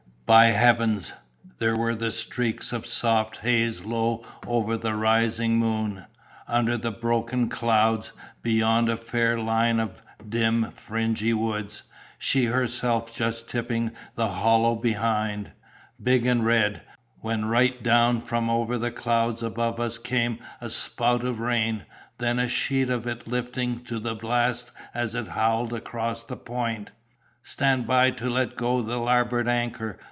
By heavens! there were the streaks of soft haze low over the rising moon, under the broken clouds, beyond a far line of dim fringy woods, she herself just tipping the hollow behind, big and red, when right down from over the cloud above us came a spout of rain, then a sheet of it lifting to the blast as it howled across the point. 'Stand by to let go the larboard anchor!